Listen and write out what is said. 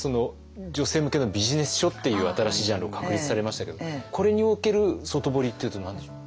女性向けのビジネス書っていう新しいジャンルを確立されましたけれどもこれにおける外堀っていうと何でしょう？